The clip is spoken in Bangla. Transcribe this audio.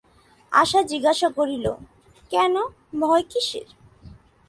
আশা জিজ্ঞাসা করিল, কেন, ভয় কিসের।